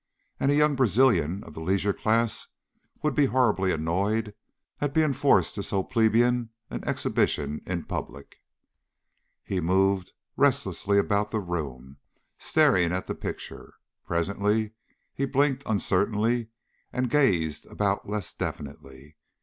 And a young Brazilian of the leisure class would be horribly annoyed at being forced to so plebeian an exhibition in public. He moved restlessly about the room, staring at the picture. Presently he blinked uncertainly and gazed about less definitely.